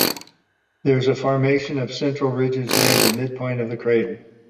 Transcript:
There is a formation of central ridges near the midpoint of the crater.